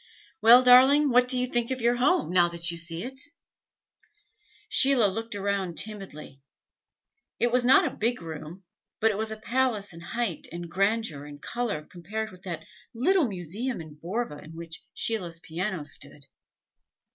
"Well, darling, what do you think of your home, now that you see it?" Sheila looked around timidly. It was not a big room, but it was a palace in height and grandeur and color compared with that little museum in Borva in which Sheila's piano stood.